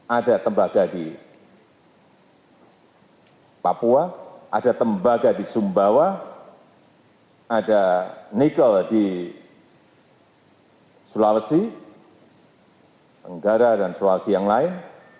ada tembaga di papua ada tembaga di sumbawa ada nikel di sulawesi tenggara dan sulawesi yang lain